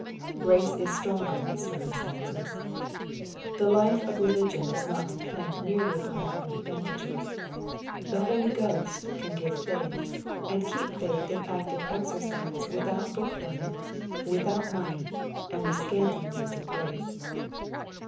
Grace is stronger than circumstances. The life of religion does not depend merely upon outward advantages. The Holy Ghost can give faith, and keep faith in active exercise without book learning, without money, and with scanty means of grace.